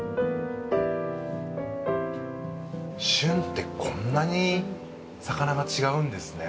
旬ってこんなに魚が違うんですね。